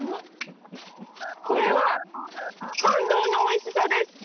これは、感動のおいしさです。